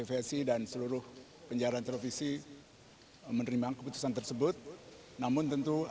pemilihan umum nomor sepuluh tahun dua ribu delapan belas